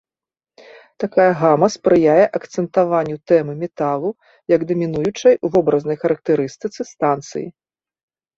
Такая гама спрыяе акцэнтаванню тэмы металу, як дамінуючай у вобразнай характарыстыцы станцыі.